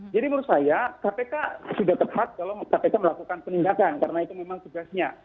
jadi menurut saya kpk sudah tepat kalau kpk melakukan penindakan karena itu memang tugasnya